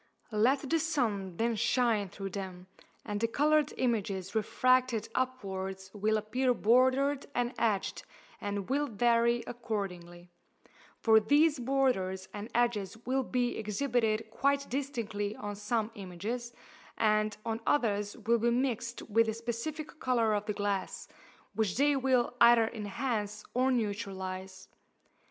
Let the sun then shine through them, and the coloured images refracted upwards will appear bordered and edged, and will vary accordingly: for these borders and edges will be exhibited quite distinctly on some images, and on others will be mixed with the specific colour of the glass, which they will either enhance or neutralize.